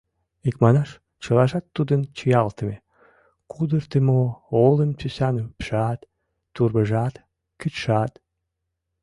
Икманаш, чылажат тудын чиялтыме: кудыртымо, олым тӱсан ӱпшат, тӱрвыжат, кӱчшат.